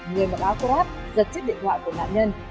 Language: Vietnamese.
người mặc áo khô rác giật chiếc điện thoại của nạn nhân